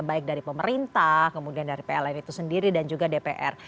baik dari pemerintah kemudian dari pln itu sendiri dan juga dpr